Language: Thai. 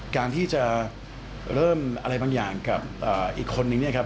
การที่จะเริ่มอะไรบางอย่างกับอีกคนนึงเนี่ยครับ